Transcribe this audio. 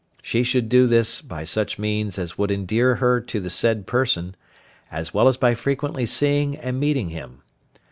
She should do this by such means as would endear her to the said person, as well as by frequently seeing and meeting him.